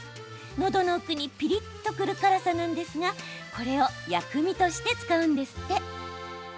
のどの奥にピリっとくる辛さなんですがこれを薬味として使うんですって。